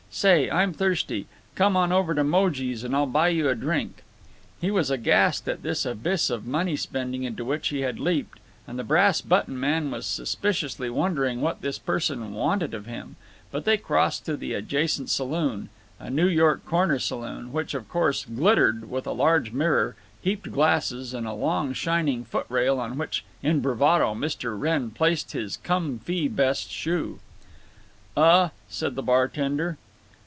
Say! I'm thirsty. Come on over to Moje's and I'll buy you a drink." He was aghast at this abyss of money spending into which he had leaped, and the Brass button Man was suspiciously wondering what this person wanted of him; but they crossed to the adjacent saloon, a New York corner saloon, which of course "glittered" with a large mirror, heaped glasses, and a long shining foot rail on which, in bravado, Mr. Wrenn placed his Cum Fee Best shoe. "Uh?" said the bartender.